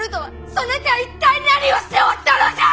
そなた一体何をしておったのじゃ！